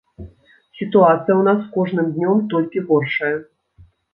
Сітуацыя ў нас з кожным днём толькі горшае.